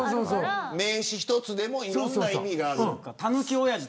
名詞一つでもいろんな意味がある。